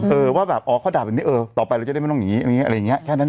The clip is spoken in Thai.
เออว่าแบบอ๋อเขาด่าแบบนี้เออต่อไปเราจะได้ไม่ต้องอย่างนี้อะไรอย่างนี้แค่นั้น